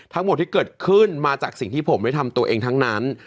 ทั้งหมดที่เกิดขึ้นมาจากสิ่งที่ผมได้ทำตัวเองทั้งนั้น